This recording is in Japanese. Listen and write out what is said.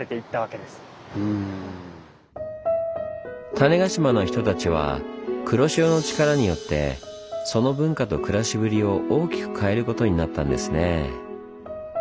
種子島の人たちは黒潮のチカラによってその文化と暮らしぶりを大きく変えることになったんですねぇ。